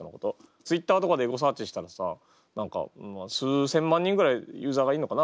Ｔｗｉｔｔｅｒとかでエゴサーチしたらさ何かまあ数千万人ぐらいユーザーがいるのかな？